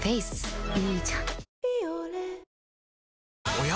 おや？